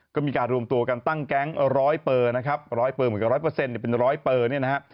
ก็มีการรวมตัวกันตั้งแก๊งร้อยเปอร์นะครับร้อยเปอร์เหมือนกับร้อยเปอร์เซ็นเป็นร้อยเปอร์เนี่ยนะฮะ